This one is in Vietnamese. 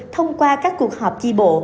thông qua các cuộc họp chi bộ